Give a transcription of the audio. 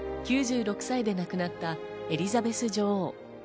９６歳で亡くなったエリザベス女王。